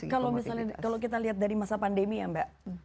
kalau misalnya kalau kita lihat dari masa pandemi ya mbak